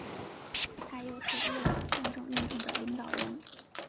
他又是伊朗宪政运动的领导人。